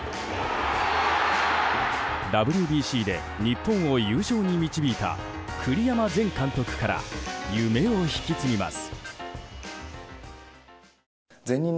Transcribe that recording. ＷＢＣで日本を優勝に導いた栗山前監督から夢を引き継ぎます。